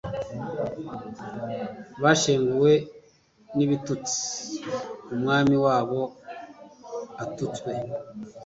bashenguwe n'ibitutsi Umwami wabo atutswe.